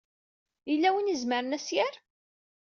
Yella win i izemren ad s-yerr?